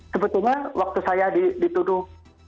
sebetulnya waktu saya dituduh